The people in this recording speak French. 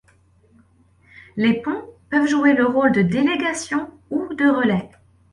Les ponts peuvent jouer le rôle de délégation ou de relais.